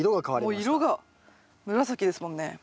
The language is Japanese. もう色が紫ですもんね。